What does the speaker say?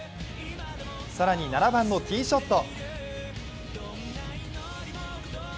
更に７番のティーショット。